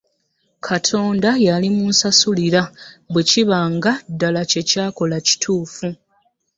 Katonda yalimunsasulira bwekiba nga ddala kyekyakola kituufu.